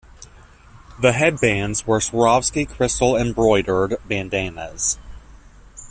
The headbands were Swarovski crystal-embroidered bandanas.